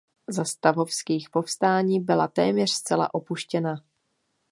Za stavovských povstání byla téměř zcela opuštěna.